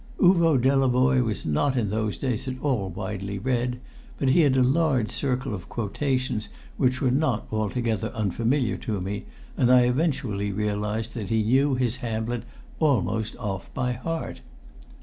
Uvo Delavoye was not in those days at all widely read; but he had a large circle of quotations which were not altogether unfamiliar to me, and I eventually realised that he knew his Hamlet almost off by heart.